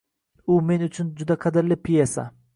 U men uchun juda qadrli pesa.